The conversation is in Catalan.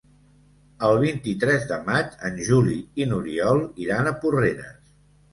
El vint-i-tres de maig en Juli i n'Oriol iran a Porreres.